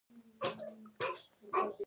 دريمه شعري مجموعه خوب دے ۔